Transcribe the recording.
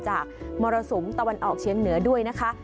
มรสุมตะวันออกเชียงเหนือด้วยนะคะ